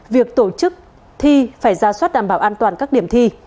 việc tổ chức thi phải ra soát đảm bảo an toàn các điểm thi